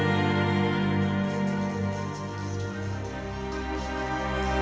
dan kemudian rasanya akan terus berjalan ke dunia tersebut